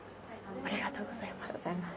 ありがとうございます。